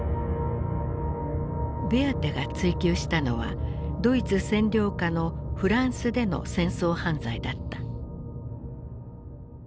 ベアテが追及したのはドイツ占領下のフランスでの戦争犯罪だった。